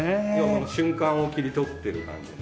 この瞬間を切り取ってる感じが。